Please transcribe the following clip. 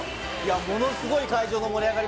ものすごい会場の盛り上がり